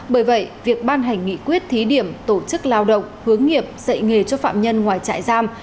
bởi vậy việc ban hành nghị quyết thí điểm tổ chức lao động hướng nghiệp dạy nghề cho phạm nhân ngoài trại giam